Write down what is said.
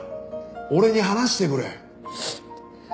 俺に話してくれ。